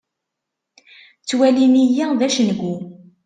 Ttwalin-iyi d acengu.